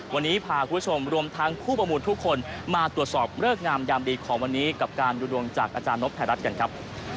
วันนี้พาคุณผู้ชมรวมทั้งผู้ประมูลทุกคนมาตรวจสอบเลิกงามยามดีของวันนี้กับการดูดวงจากอาจารย์นพไทยรัฐกันครับ